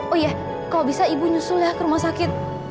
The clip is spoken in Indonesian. oh iya kalau bisa ibu nyusul ya ke rumah sakit